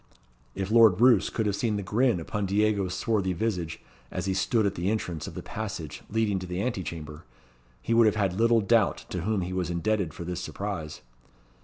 If Lord Roos could have seen the grin upon Diego's swarthy visage, as he stood at the entrance of the passage leading to the ante chamber, he would have had little doubt to whom he was indebted for this surprise.